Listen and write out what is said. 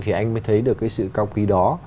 thì anh mới thấy được cái sự cao quý đó